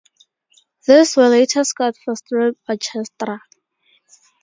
These were later scored for string orchestra.